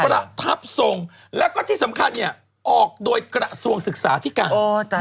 ประทับทรงแล้วก็ที่สำคัญเนี่ยออกโดยกระทรวงศึกษาที่การ